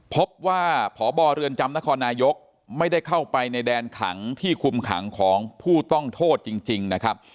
พบว่าพบเรือนจำนครนายกไม่ได้เข้าไปในแดนขังที่คุมขังของผู้ต้องโทษจริงนะครับ